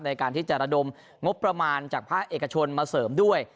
ในการที่จะระดมงบประมาณจากภาคเอกชนมาเสริมด้วย